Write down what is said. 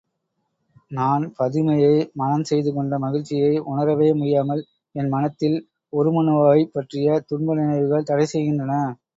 நான் பதுமையை மணஞ் செய்துகொண்ட மகிழ்ச்சியை உணரவே முடியாமல், என் மனத்தில் உருமண்ணுவாவைப் பற்றிய துன்பநினைவுகள் தடை செய்கின்றன.